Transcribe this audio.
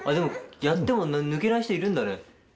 やっても抜けない人いるんだね。